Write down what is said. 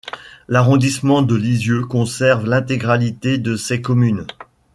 L'arrondissment de Lisieux conserve l'intégralité de ses communes.